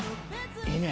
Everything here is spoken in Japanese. いいね。